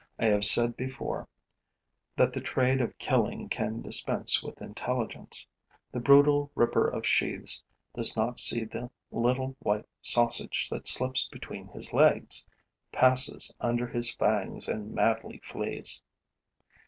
I have said before that the trade of killing can dispense with intelligence. The brutal ripper of sheaths does not see the little white sausage that slips between his legs, passes under his fangs and madly flees.